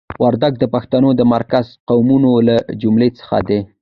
وردګ د پښتنو د مرکزي قومونو له جملې څخه دي.